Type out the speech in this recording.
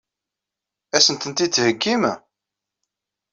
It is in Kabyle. Ad sent-tent-id-theggim?